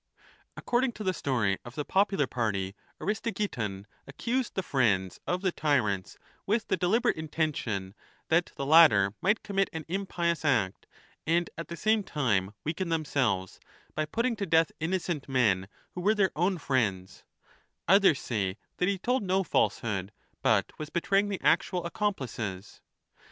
According to the story of the popular party, Aristogeiton accused the friends of the tyrants with the deliberate intention that the latter might commit an impious act, and at the same time weaken themselves, by putting to death innocent men who were their own friends ; others say that he told no falsehood, but was betraying the actual accomplices.